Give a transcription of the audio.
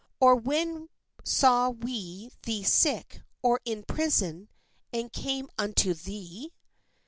Or when saw we thee sick or in prison, and came unto thee?"